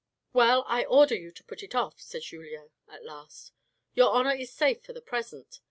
"Well, I order you to put it off," said Julien at last. " Your honour is safe for the present.